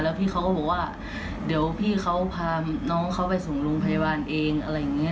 พี่เขาก็บอกว่าเดี๋ยวพี่เขาพาน้องเขาไปส่งโรงพยาบาลเองอะไรอย่างนี้